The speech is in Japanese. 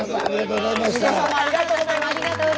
ありがとうございましたほんとに。